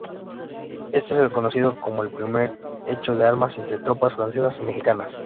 Este es conocido como el primer hecho de armas entre tropas francesas y mexicanas.